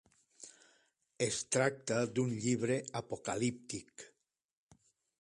Es tracta d'un llibre apocalíptic.